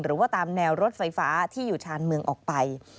หรือว่าตามแนวรถไฟฟ้าที่อยู่ชานเมืองออกไป